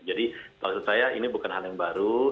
jadi maksud saya ini bukan hal yang baru